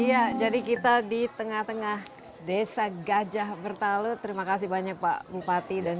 iya jadi kita di tengah tengah desa gajah bertalu terima kasih banyak pak bupati dan